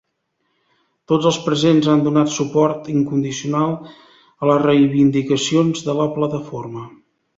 Tots els presents han donat suport incondicional a les reivindicacions de la plataforma.